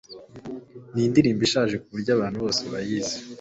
Nindirimbo ishaje kuburyo abantu bose babizi